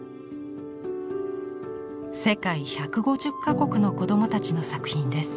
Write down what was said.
世界１５０か国の子どもたちの作品です。